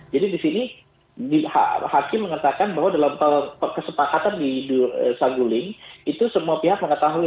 jadi di sini hakim mengatakan bahwa dalam kesepakatan di sangguling itu semua pihak mengetahui